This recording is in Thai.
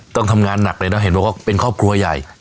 ต้องทำงานหนักเลยนะเห็นบอกว่าเป็นครอบครัวใหญ่